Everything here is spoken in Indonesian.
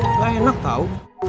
enggak enak tau